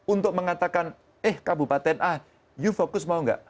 untuk mengatakan eh kabupaten a you fokus mau nggak